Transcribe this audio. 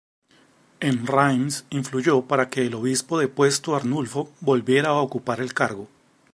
En Reims influyó para que el obispo depuesto, Arnulfo, volviera a ocupar el cargo.